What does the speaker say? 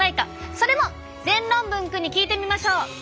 それも全論文くんに聞いてみましょう。